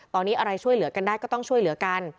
ตอนนี้อะไรช่วยเหลือกันได้ก็ต้องช่วยเหลือกัน